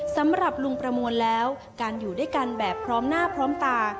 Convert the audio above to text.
สำหรับลุงประมวลแล้วการอยู่ด้วยกันแบบพร้อมหน้าพร้อมตา